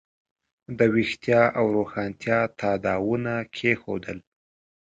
د ویښتیا او روښانتیا تاداوونه کېښودل.